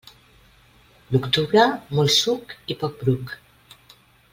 L'octubre, molt suc i poc bruc.